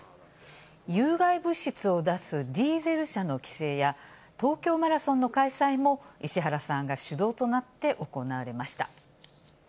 有害物質を出すディーゼル車の規制や、東京マラソンの開催も石原さんが主導となって、行われました。